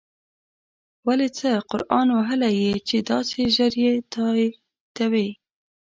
ولی څه قرآن وهلی یی چی داسی ژر یی تاییدوی